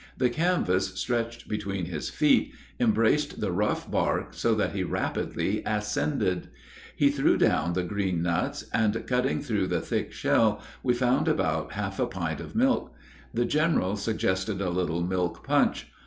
The canvas, stretched between his feet, embraced the rough bark so that he rapidly ascended. He threw down the green nuts, and cutting through the thick shell, we found about half a pint of milk. The general suggested a little milk punch.